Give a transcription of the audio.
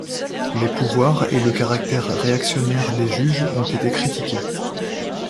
Les pouvoirs et le caractère réactionnaire des juges ont été critiqués.